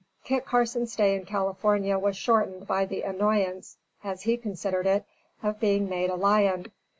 Kit Carson's stay in California was shortened by the annoyance (as he considered it) of being made a lion.